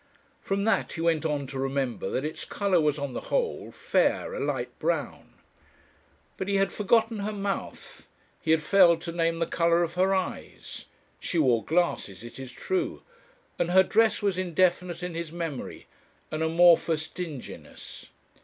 From that he went on to remember that its colour was, on the whole, fair, a light brown. But he had forgotten her mouth, he had failed to name the colour of her eyes. She wore glasses, it is true. And her dress was indefinite in his memory an amorphous dinginess.